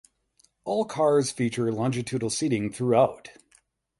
All cars feature longitudinal seating throughout.